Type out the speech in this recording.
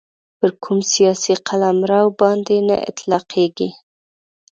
پر کوم سیاسي قلمرو باندي نه اطلاقیږي.